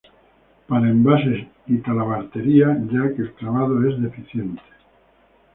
Para envases, y talabartería; ya que el clavado es deficiente